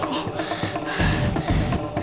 aku tidak bisa menerima